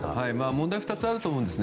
問題２つあると思います。